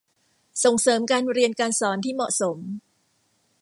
ส่งเสริมการเรียนการสอนที่เหมาะสม